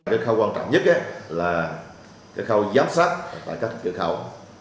cái khâu quan trọng nhất là cái khâu giám sát tại các cửa khẩu